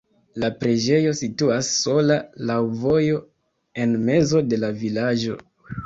La preĝejo situas sola laŭ vojo en mezo de la vilaĝo.